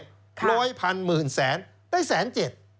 ร้อยพันหมื่นแสนได้แสนเจ็ด